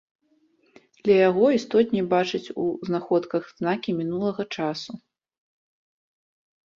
Для яго істотней бачыць у знаходках знакі мінулага часу.